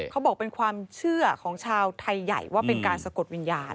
เขาบอกเป็นความเชื่อของชาวไทยใหญ่ว่าเป็นการสะกดวิญญาณ